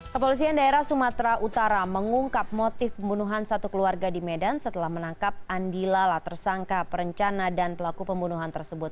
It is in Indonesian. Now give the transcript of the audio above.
kepolisian daerah sumatera utara mengungkap motif pembunuhan satu keluarga di medan setelah menangkap andi lala tersangka perencana dan pelaku pembunuhan tersebut